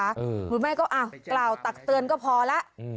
คุณแม่ก็อ้าวกล่าวตักเตือนก็พอแล้ว